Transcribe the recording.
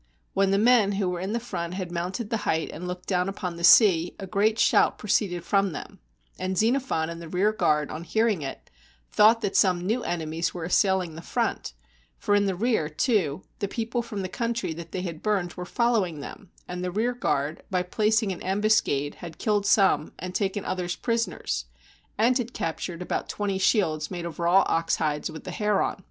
When the men who were in the front had mounted the height, and looked down upon the sea, a great shout proceeded from them; and Xenophon and the rear guard, on hearing it, thought that some new enemies were assailing the front, for in the rear, too, the people from the country that they had burned were following them, and the rear guard, by placing an ambuscade, had killed some, and taken others prisoners, and had captured about twenty shields made of raw ox hides with the hair on.